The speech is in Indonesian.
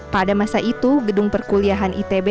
pada masa itu gedung perkuliahan itb